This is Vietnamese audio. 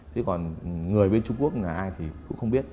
thế còn người bên trung quốc là ai thì cũng không biết